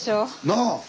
なあ。